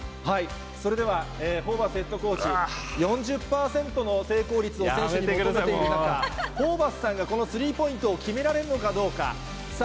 それでは、ホーバスヘッドコーチ、４０％の成功率を選手に中、ホーバスさんがこのスリーポイントを決められるのかどうか。